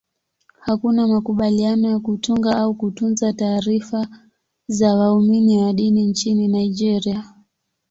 Hakuna makubaliano ya kutunga au kutunza taarifa za waumini wa dini nchini Nigeria.